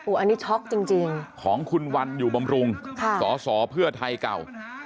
อันนี้ช็อกจริงของคุณวันอยู่บำรุงสอสอเพื่อไทยเก่า